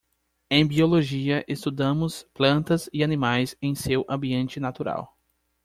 Em biologia, estudamos plantas e animais em seu ambiente natural.